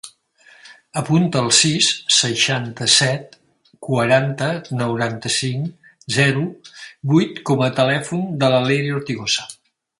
Apunta el sis, seixanta-set, quaranta, noranta-cinc, zero, vuit com a telèfon de la Leire Ortigosa.